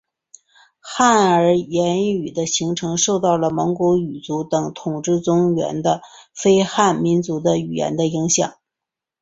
汉儿言语的形成受到了蒙古语族等统治中原的非汉民族的语言的影响。